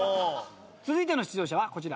続いての出場者はこちら。